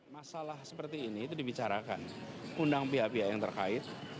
masalah seperti ini itu dibicarakan undang pihak pihak yang terkait